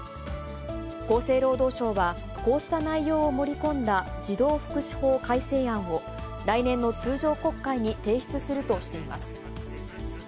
厚生労働省は、こうした内容を盛り込んだ児童福祉法改正案を、来年の通常国会に提出するとしています。